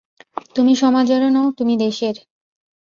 তুমি সমাজের নও তুমি দেশের।